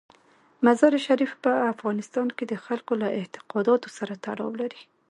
مزارشریف په افغانستان کې د خلکو له اعتقاداتو سره تړاو لري.